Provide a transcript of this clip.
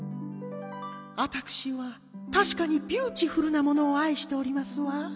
わたくしはたしかにビューティフルなものをあいしておりますわ。